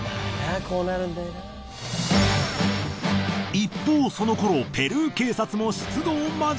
一方その頃ペルー警察も出動間近。